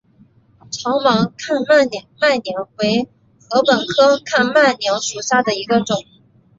长芒看麦娘为禾本科看麦娘属下的一个种。